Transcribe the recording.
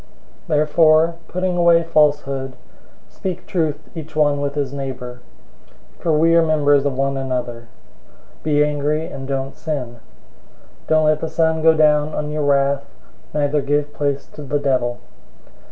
004:025 Therefore, putting away falsehood, speak truth each one with his neighbor. For we are members of one another. 004:026 "Be angry, and don't sin."{Psalm 4:4} Don't let the sun go down on your wrath, 004:027 neither give place to the devil.